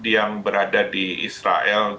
yang berada di israel